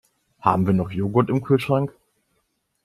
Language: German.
Haben wir noch Joghurt im Kühlschrank?